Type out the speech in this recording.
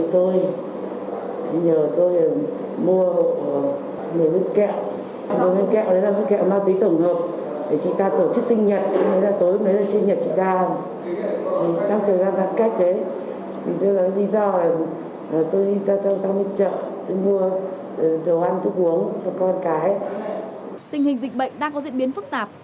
tình hình dịch bệnh đang có diễn biến phức tạp